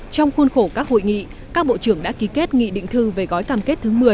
trong khuôn khổ các hội nghị các bộ trưởng đã ký kết nghị định thư về gói cam kết thứ một mươi